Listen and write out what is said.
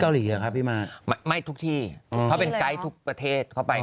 เหลือครับพี่มาไม่ทุกที่เขาเป็นไกด์ทุกประเทศเข้าไป